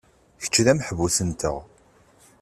Kečč d ameḥbus-nteɣ.